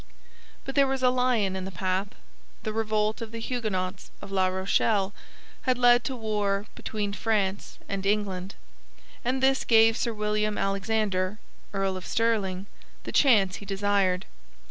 But there was a lion in the path. The revolt of the Huguenots of La Rochelle had led to war between France and England, and this gave Sir William Alexander (Earl of Stirling) the chance he desired.